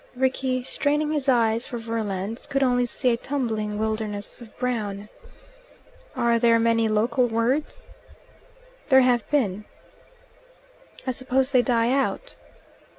Rickie, straining his eyes for verlands, could only see a tumbling wilderness of brown. "Are there many local words?" "There have been." "I suppose they die out."